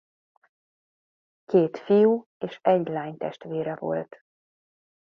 Két fiú- és egy lánytestvére volt.